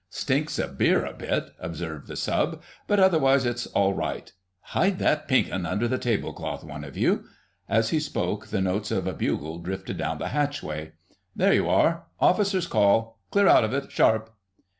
"Stinks of beer a bit," observed the Sub., "but otherwise it's all right. Hide that 'Pink 'Un' under the table cloth, one of you." As he spoke the notes of a bugle drifted down the hatchway. "There you are! Officers' Call! Clear out of it, sharp!"